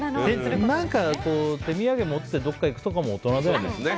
何か、手土産を持ってどっか行くとかも大人だよね。